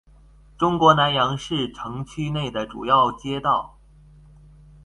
中国南阳市城区内的主要街道。